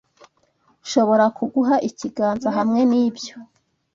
Nshobora kuguha ikiganza hamwe nibyo?